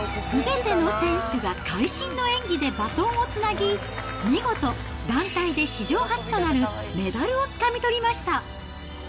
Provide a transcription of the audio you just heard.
すべての選手が会心の演技でバトンをつなぎ、見事、団体で史上初となるメダルをつかみ取りました。